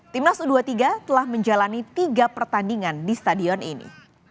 timnas u dua puluh tiga telah menjalani tiga pertandingan di stadion ini